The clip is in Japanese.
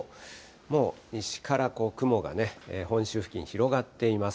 もう西から雲が本州付近、広がっています。